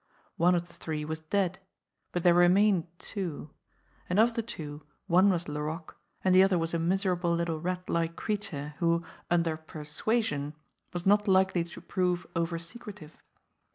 One of the three was dead, but there remained two ; and of the two, one was Laroque, and the other was a miserable little rat like creature, who, under persuasion, was not likely to prove over secretive.